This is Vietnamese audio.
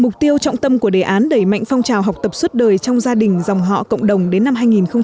mục tiêu trọng tâm của đề án đẩy mạnh phong trào học tập suốt đời trong gia đình dòng họ cộng đồng đến năm hai nghìn hai mươi